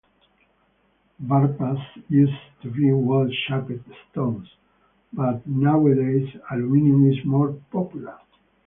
Varpas used to be well-shaped stones, but nowadays, aluminium is more popular.